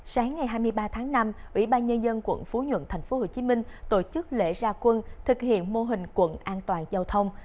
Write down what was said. sáng ngày hai mươi ba tháng năm ủy ban nhân dân quận phú nhuận tp hcm tổ chức lễ ra quân thực hiện mô hình quận an toàn giao thông